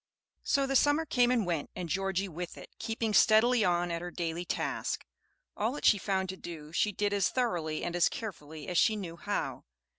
So the summer came and went, and Georgie with it, keeping steadily on at her daily task. All that she found to do she did as thoroughly and as carefully as she knew how.